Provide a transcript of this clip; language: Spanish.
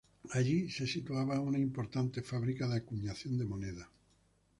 Allí se situaba una importante fábrica de acuñación de monedas.